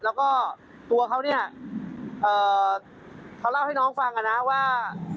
แล้วก็ตัวเขาเนี่ยเขาเล่าให้น้องฟังนะว่า